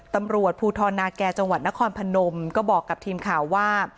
ตำรวจภูทรนาแก่จังหวัดนครพนมก็บอกกับทีมข่าวว่า